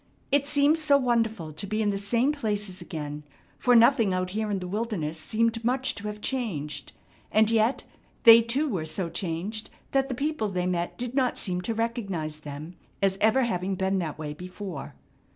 It seemed so wonderful to be in the same places again, for nothing out here in the wilderness seemed much to have changed, and yet they two were so changed that the people they met did not seem to recognize them as ever having been that way before.